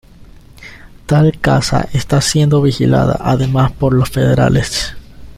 Tal casa está siendo vigilada además por los federales.